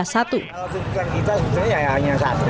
kalau menunjukkan kita sebenarnya hanya satu